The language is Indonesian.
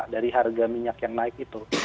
dari harga minyak yang naik itu